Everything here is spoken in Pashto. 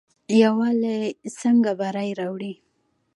یووالی څنګه بری راوړي؟